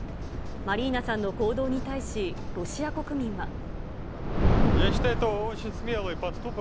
マリーナさんの行動に対し、ロシア国民は。